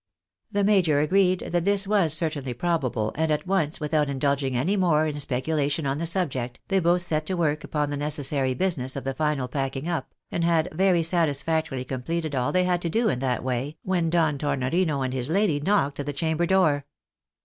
The major agreed that this was certainly probable, and at once, without indulging any more in speculation on the subject, they both set to work upon the necessary business of the final packing up, and had very satisfactorily completed all they had to do in that way, when Don Tornorino and his lady knocked at the chamber door.